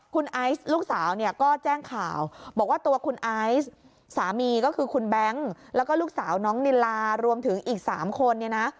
คุณไอซ์ลูกสาวเนี่ยก็แจ้งข่าวบอกว่าตัวคุณไอซ์สามีก็คือคุณแบงค์แล้วก็ลูกสาวน้องนิลารวมถึงอีก๓คนเนี่ยนะ